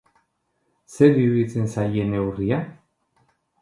Zer iruditzen zaie neurria?